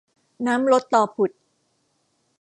น้ำลดตอผุด